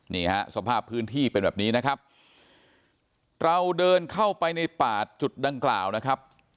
นี่ฮะสภาพพื้นที่เป็นแบบนี้นะครับเราเดินเข้าไปในป่าจุดดังกล่าวนะครับ